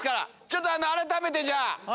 ちょっと改めてじゃあ。